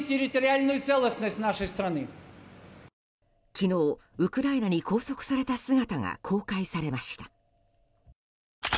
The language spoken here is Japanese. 昨日、ウクライナに拘束された姿が公開されました。